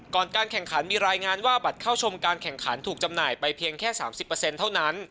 การแข่งขันมีรายงานว่าบัตรเข้าชมการแข่งขันถูกจำหน่ายไปเพียงแค่๓๐เท่านั้น